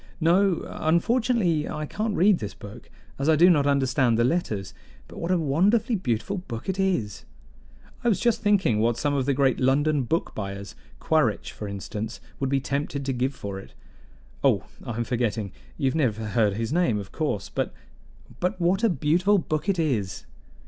"No, unfortunately, I can't read this book, as I do not understand the letters. But what a wonderfully beautiful book it is! I was just thinking what some of the great London book buyers Quaritch, for instance would be tempted to give for it. Oh, I am forgetting you have never heard his name, of course; but but what a beautiful book it is!"